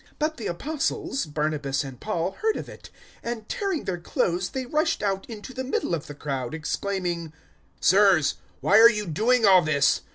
014:014 But the Apostles, Barnabas and Paul, heard of it; and tearing their clothes they rushed out into the middle of the crowd, exclaiming, "Sirs, why are you doing all this?